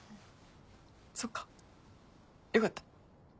そっかよかった。